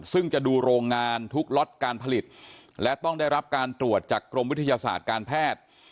ซึ่งจะดูโรงงานทุกล็อตการผลิตและต้องได้รับการตรวจจากกรมวิทยาศาสตร์การแพทย์